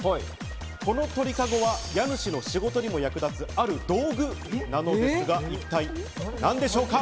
この鳥かごは家主の仕事にも役立つ、ある道具なのですが、一体何でしょうか？